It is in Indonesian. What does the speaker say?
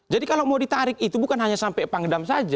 jadi kalau mau ditarik itu bukan hanya sampai pangdam saja